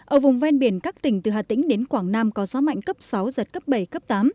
ở vùng ven biển các tỉnh từ hà tĩnh đến quảng nam có gió mạnh cấp sáu giật cấp bảy cấp tám